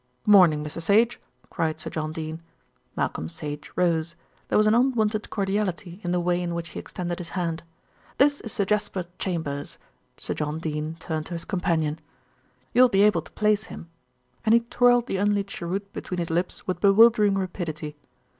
"Morning, Mr. Sage," cried Sir John Dene. Malcolm Sage rose. There was an unwonted cordiality in the way in which he extended his hand. "This is Sir Jasper Chambers." Sir John Dene turned to his companion. "You'll be able to place him," and he twirled the unlit cheroot between his lips with bewildering rapidity.